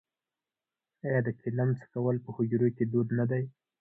آیا د چلم څکول په حجرو کې دود نه دی؟